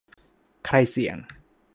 ใครเสี่ยง ?